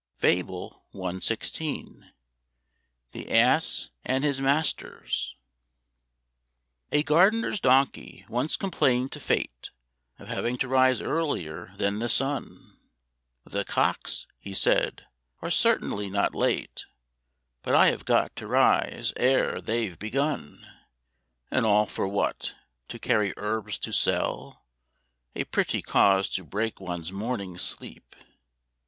FABLE CXVI. THE ASS AND HIS MASTERS. A Gardener's Donkey once complained to Fate Of having to rise earlier than the sun. "The cocks," he said, "are certainly not late; But I have got to rise ere they've begun. And all for what? to carry herbs to sell: A pretty cause to break one's morning sleep!"